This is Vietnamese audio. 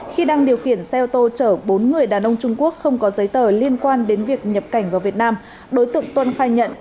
khi đang điều khiển xe ô tô chở bốn người đàn ông trung quốc không có giấy tờ liên quan đến việc nhập cảnh vào việt nam đối tượng tuân khai nhận